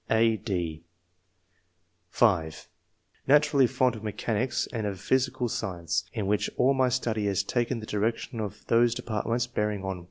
." (a, c^) (5) *^ Naturally fond of mechanics and of physical science, in which all my study has taken the direction of those departments bearing on